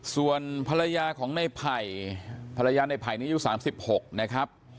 ส่วนภรรยาของในไผ่ภรรยาในไผ่ในยุค๓๖นะครับ